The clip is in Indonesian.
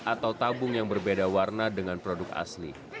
vaksin palsu adalah vaksin yang berbeda warna dengan produk asli